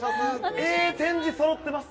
ええ展示そろってます。